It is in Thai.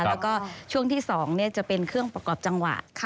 แล้วก็ช่วงที่๒จะเป็นเครื่องประกอบจังหวะ